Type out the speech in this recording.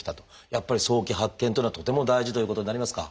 やっぱり早期発見というのはとても大事ということになりますか？